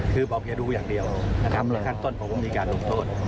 คือบอกอย่าดูอย่างเดียวนะครับขั้นต้นผมก็มีการลงโทษ